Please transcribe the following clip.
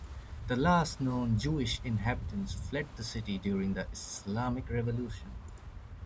The last known Jewish inhabitants fled the city during the Islamic Revolution.